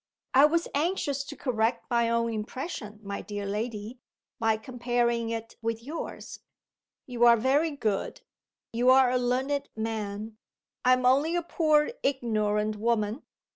"I was anxious to correct my own impression, my dear lady, by comparing it with yours." "You are very good. You are a learned man. I am only a poor ignorant woman.